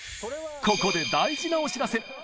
ここで大事なお知らせ！